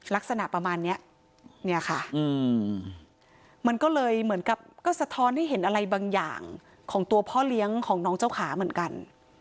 ลักษณะประมาณนี้เนี่ยค่ะมันก็เลยเหมือนกับก็สะท้อนให้เห็นอะไรบางอย่างของตัวพ่อเลี้ยงของน้องเจ้าขาเหมือนกัน